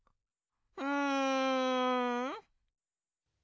うん。